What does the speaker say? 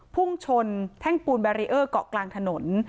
พุ่งชนแท่งปูนแบรีเออร์เกาะกลางถนน